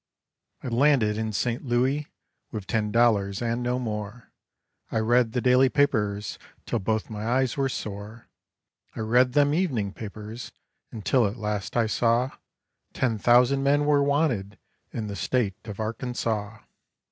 I landed in St. Louis with ten dollars and no more; I read the daily papers till both my eyes were sore; I read them evening papers until at last I saw Ten thousand men were wanted in the state of Arkansaw.